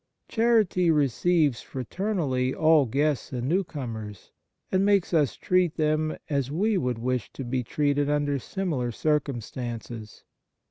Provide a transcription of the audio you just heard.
Charity receives fraternally all guests and new comers, and makes us treat them as we would wish to be treated under 32 Ninth Characteristic similar circumstances.